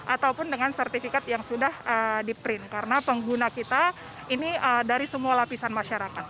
ataupun dengan sertifikat yang sudah di print karena pengguna kita ini dari semua lapisan masyarakat